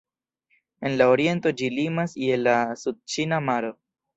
En la oriento ĝi limas je la Sudĉina maro.